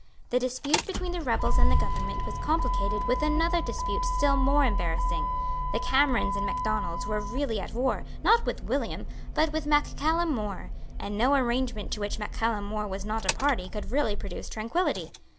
The dispute between the rebels and the government was complicated with another dispute still more embarrassing. The Camerons and Macdonalds were really at war, not with William, but with Mac Callum More; and no arrangement to which Mac Callum More was not a party could really produce tranquillity.